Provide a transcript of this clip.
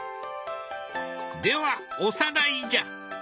ではおさらいじゃ！